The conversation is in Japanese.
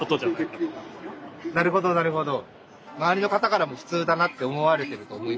なるほどなるほど。